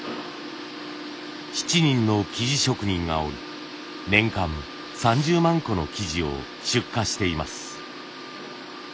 ７人の素地職人がおり年間３０万個の素地を出荷しています。